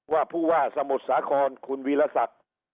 ว่าผู้ว่าสมุทรสาครคุณวีรศักดิ์